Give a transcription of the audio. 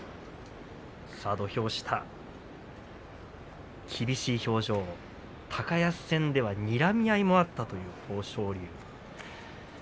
土俵下、厳しい表情高安戦では、にらみ合いもあった豊昇龍。